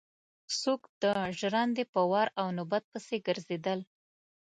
څوک د ژرندې په وار او نوبت پسې ګرځېدل.